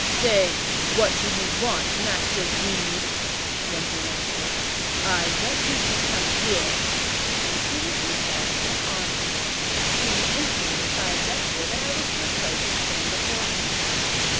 "Say, 'What do you want, Master Reed?'" was the answer. "I want you to come here;" and seating himself in an arm chair, he intimated by a gesture that I was to approach and stand before him.